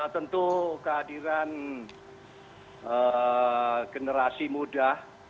tentu kehadiran generasi muda